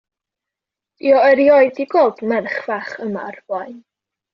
'Di o erioed di gweld merch fach yma o'r blaen.